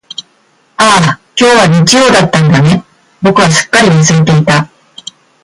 ああ、今日は日曜だったんだね、僕すっかり忘れていた。